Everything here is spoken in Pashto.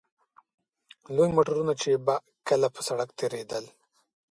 لوی موټرونه چې به کله پر سړک تېرېدل.